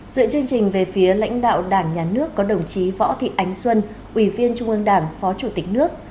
dựa chương trình về phía lãnh đạo đảng nhà nước có đồng chí võ thị ánh xuân ủy viên trung ương đảng phó chủ tịch nước